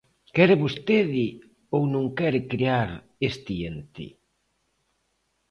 ¿Quere vostede ou non quere crear este ente?